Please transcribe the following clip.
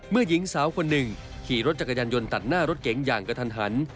หญิงสาวคนหนึ่งขี่รถจักรยานยนต์ตัดหน้ารถเก๋งอย่างกระทันหัน